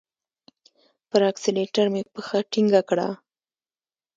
پر اکسلېټر مي پښه ټینګه کړه !